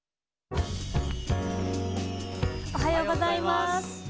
おはようございます。